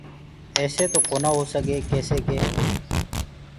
ايسي تو ڪونآ هوسگي ڪيسي ڪي